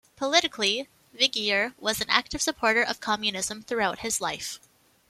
Politically, Vigier was an active supporter of communism throughout his life.